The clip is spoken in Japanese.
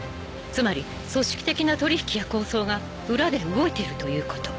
つまり組織的な取引や抗争が裏で動いているということ。